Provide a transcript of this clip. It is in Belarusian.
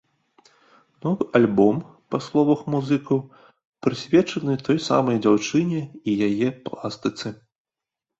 Новы альбом, па словах музыкаў, прысвечаны той самай дзяўчыне і яе пластыцы.